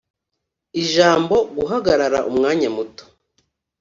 Ijambo"guhagarara umwanya muto"